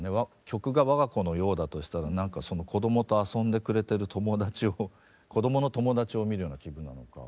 曲がわが子のようだとしたらなんかその子供と遊んでくれてる友達を子供の友達を見るような気分なのか。